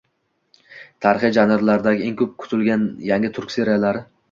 Tarixiy janrdagi eng ko‘p kutilgan yangi turk seriallari